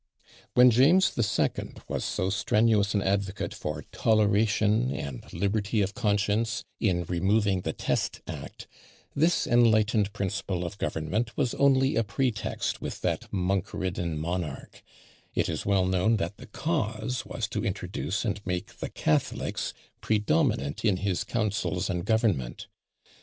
When James II. was so strenuous an advocate for toleration and liberty of conscience in removing the Test Act, this enlightened principle of government was only a pretext with that monk ridden monarch; it is well known that the cause was to introduce and make the Catholics predominant in his councils and government.